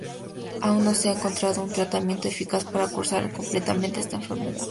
Aún no se ha encontrado un tratamiento eficaz para curar completamente esta enfermedad.